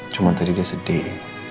cuma tadi dia sedih